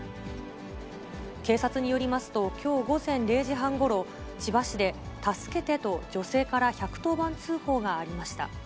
警察によりますと、きょう午前０時半ごろ、千葉市で、助けてと、女性から１１０番通報がありました。